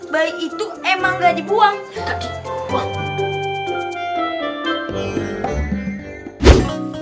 bayi itu emang gak dibuang